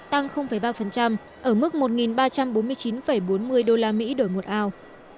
tăng ba ở mức một ba trăm bốn mươi chín bốn mươi usd đổi một ao